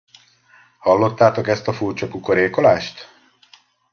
Hallottátok ezt a furcsa kukorékolást?